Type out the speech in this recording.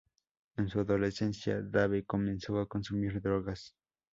En su adolescencia, Dave comenzó a consumir drogas.